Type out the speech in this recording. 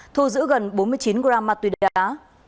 thu giữ gần bốn mươi chín gram ma túy đá